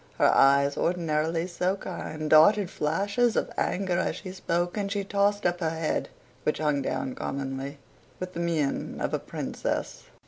her eyes, ordinarily so kind, darted flashes of anger as she spoke; and she tossed up her head (which hung down commonly) with the mien of a princess.